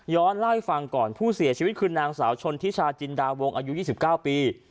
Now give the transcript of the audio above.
เล่าให้ฟังก่อนผู้เสียชีวิตคือนางสาวชนทิชาจินดาวงอายุ๒๙ปี